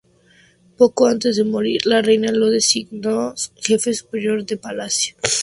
Poco antes de morir, la Reina lo designó Jefe Superior de Palacio.